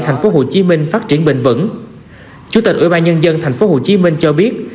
thành phố hồ chí minh phát triển bền vững chủ tịch ủy ban nhân dân thành phố hồ chí minh cho biết